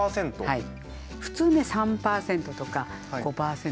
はい。